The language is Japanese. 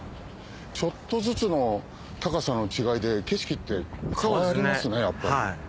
ちょっとずつの高さの違いで景色って変わりますねやっぱり。